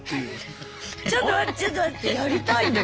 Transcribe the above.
ちょっと待ってちょっと待って。